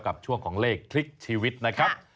ช่วงของเลขคลิกชีวิตนะครับ